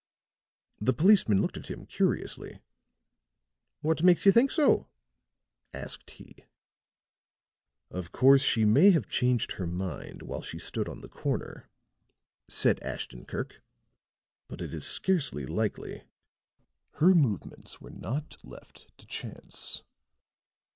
The policeman looked at him curiously. "What makes you think so?" asked he. "Of course she may have changed her mind while she stood on the corner," said Ashton Kirk. "But it is scarcely likely. Her movements were not left to chance."